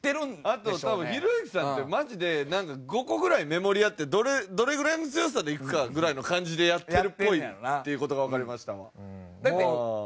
あと多分ひろゆきさんってマジで５個ぐらい目盛りあってどれぐらいの強さでいくかぐらいの感じでやってるっぽいっていう事がわかりましたわ。